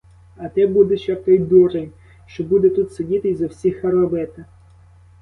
А ти будеш, як той дурень, що буде тут сидіти й за всіх робити.